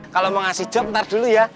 kalau mau ngasih jawab bentar dulu ya